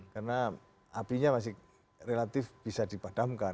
karena apinya masih relatif bisa dipadamkan